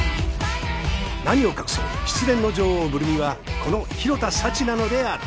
何を隠そう失恋の女王ブル美はこの弘田佐知なのである。